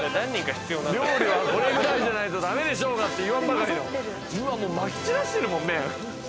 「料理はこれぐらいじゃないとダメでしょうが！」って言わんばかりのうわもうまき散らしてるもん麺。